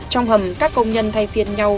trong hầm các công nhân thay phiên nhau